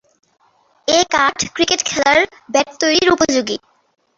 এ কাঠ ক্রিকেট খেলার ব্যাট তৈরির উপযোগী।